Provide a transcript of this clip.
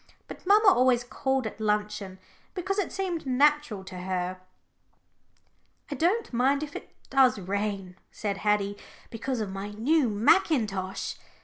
But mamma always called it luncheon because it seemed natural to her. "I don't mind if it does rain," said Haddie, "because of my new mackintosh."